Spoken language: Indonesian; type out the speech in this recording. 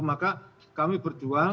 maka kami berjuang